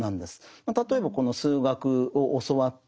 例えば数学を教わって